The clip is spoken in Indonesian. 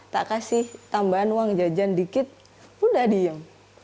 tak kasih tambahan uang jajan dikit pun udah diem